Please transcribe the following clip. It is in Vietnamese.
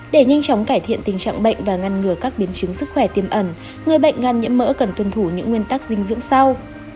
để nhanh chóng cải thiện tình trạng bệnh và ngăn ngừa các biến chứng sức khỏe tiêm ẩn người bệnh gan nhiễm mỡ cần tuân thủ những nguyên tắc dinh dưỡng sau